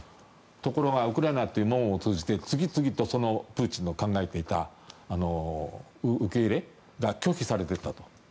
ところがウクライナという門を通じて次々とプーチンが考えていた受け入れが拒否されていったと。